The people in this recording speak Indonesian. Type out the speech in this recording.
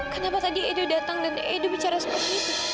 kenapa tadi edo datang dan edo bicara seperti itu